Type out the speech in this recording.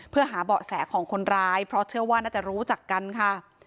เพื่อหาเบาะแสของคนร้ายเพราะเชื่อว่าน่าจะรู้จักกันค่ะ